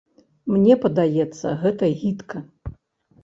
Мне падаецца, гэта гідка.